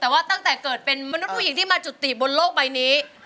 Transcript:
แต่ว่าตั้งแต่เกิดเป็นมนุษย์ผู้หญิงที่มาจุติบนโลกใบนี้